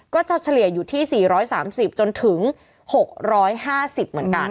ก็จะเฉลี่ยอยู่ที่๔๓๐๖๕๐เหมือนกัน